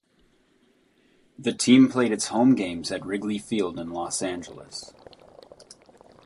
The team played its home games at Wrigley Field in Los Angeles.